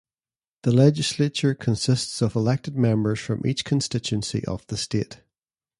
The legislature consists of elected members from each constituency of the state.